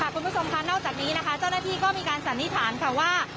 คุณผู้ชมค่ะนอกจากนี้นะคะเจ้าหน้าที่ก็มีการสันนิษฐานค่ะว่า